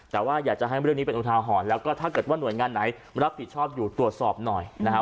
แต่ว่าอยากจะให้เรื่องนี้เป็นอุทาหรณ์แล้วก็ถ้าเกิดว่าหน่วยงานไหนรับผิดชอบอยู่ตรวจสอบหน่อยนะฮะ